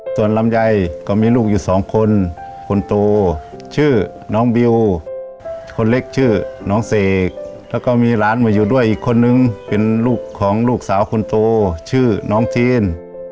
ส่วนลำไยก็มีลูกอยู่สองคนคนโตชื่อน้องบิวคนเล็กชื่อน้องเสกแล้วก็มีหลานมาอยู่ด้วยอีกคนนึงเป็นลูกของลูกสาวคนโตชื่อน้องจีน